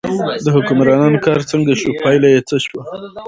د حکمران کار څنګه شو، پایله یې څه شوه.